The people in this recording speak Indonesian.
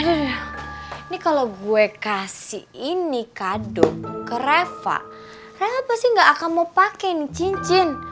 hmm ini kalau gue kasih ini kado ke reva reva sih gak akan mau pakai nih cincin